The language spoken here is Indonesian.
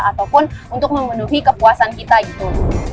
ataupun untuk memenuhi kepuasan kita gitu